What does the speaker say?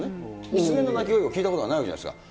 キツネの鳴き声を聞いたことがないわけじゃないですか。